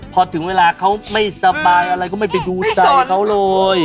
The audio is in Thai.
พอถึงเวลาเขาไม่สบายอะไรก็ไม่ไปดูใจเขาเลย